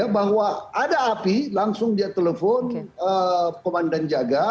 bahwa ada api langsung dia telepon komandan jaga